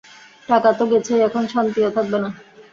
টাকা তো গেছেই, এখন শান্তিও থাকবে না।